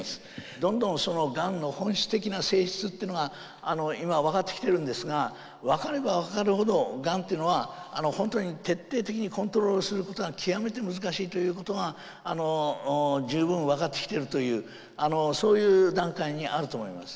どんどんがんの本質的な性質っていうのが今分かってきているんですが分かれば分かるほどがんっていうのは本当に徹底的にコントロールすることが極めて難しいということが十分分かってきているというそういう段階にあると思います。